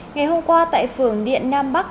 ngày hôm qua tại phường điện nam bắc